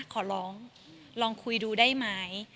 ขอร้องลองคุยดูได้ไหม